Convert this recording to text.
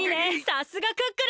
さすがクックルン！